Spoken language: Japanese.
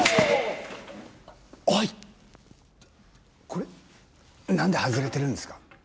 これなんで外れてるんですか？